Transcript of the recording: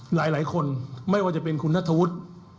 หลายคนไม่ว่าจะเป็นคุณนัทธวุฒิ